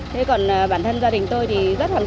thế còn bản thân gia đình tôi thì rất hoàn